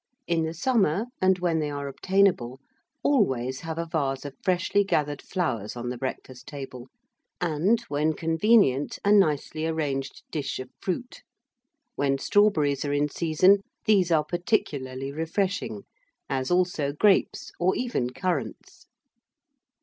In the summer, and when they are obtainable, always have a vase of freshly gathered flowers on the breakfast table, and, when convenient, a nicely arranged dish of fruit: when strawberries are in season, these are particularly refreshing; as also grapes, or even currants.